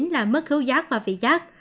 là mất khấu giác và vị giác